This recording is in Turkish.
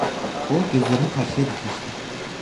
O, gözlerini karşıya dikmişti.